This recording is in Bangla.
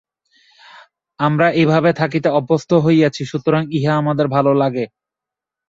আমরা এইভাবে থাকিতে অভ্যস্ত হইয়াছি, সুতরাং ইহা আমাদের ভাল লাগে।